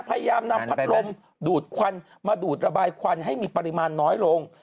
พยายามนำพัดลมดูดควันมาดูดระบายควันให้มีปริมาณน้อยลง